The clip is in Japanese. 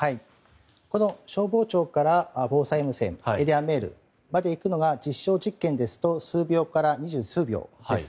この消防庁から防災無線エリアメールまで行くのに実証実験ですと数秒から二十数秒です。